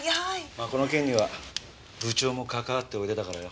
まあこの件には部長も関わっておいでだからよ。